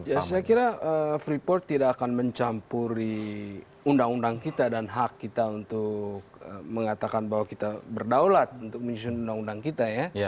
ya saya kira freeport tidak akan mencampuri undang undang kita dan hak kita untuk mengatakan bahwa kita berdaulat untuk menyusun undang undang kita ya